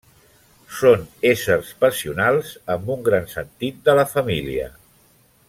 Són éssers passionals amb un gran sentit de la família.